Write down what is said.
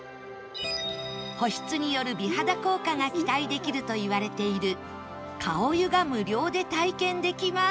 保湿による美肌効果が期待できるといわれている顔湯が無料で体験できます